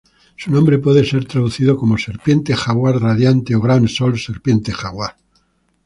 Su nombre puede ser traducido como ‘Serpiente Jaguar Radiante’ o ‘Gran Sol Serpiente Jaguar’.